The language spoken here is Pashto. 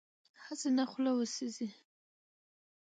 هسې نه خوله یې وسېزي.